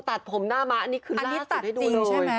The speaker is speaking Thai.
ตัดผมหน้ามะอันนี้คือลาสอยู่ด้วย